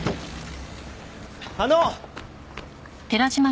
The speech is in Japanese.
あの！